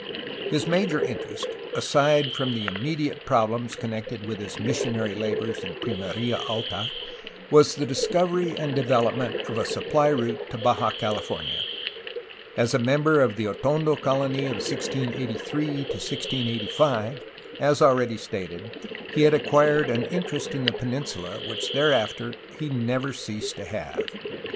His major interest, aside from the immediate problems connected with his missionary labors in Pimeria Alta, was the discovery and development of a supply route to Baja California. As a mem ber of the Atondo colony of 1683 1685, as already stated, he had acquired an interest in the peninsula which thereafter he never ceased to have.